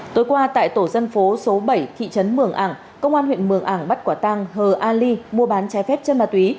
tối qua tại tổ dân phố số bảy thị trấn mường ảng công an huyện mường ảng bắt quả tang hờ a ly mua bán trái phép chân ma túy